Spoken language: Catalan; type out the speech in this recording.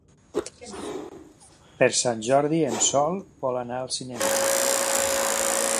Per Sant Jordi en Sol vol anar al cinema.